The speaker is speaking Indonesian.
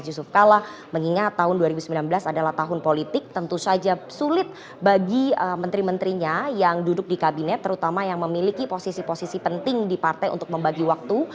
yusuf kalla mengingat tahun dua ribu sembilan belas adalah tahun politik tentu saja sulit bagi menteri menterinya yang duduk di kabinet terutama yang memiliki posisi posisi penting di partai untuk membagi waktu